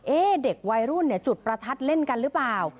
เด็กวัยรุ่นจุดประทัดเล่นกันหรือเปล่า